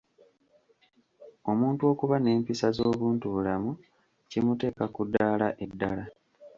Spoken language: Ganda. Omuntu okuba n'empisa ez'obuntubulamu kimuteeka ku ddaala eddala.